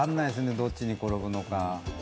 どっちに転ぶのか。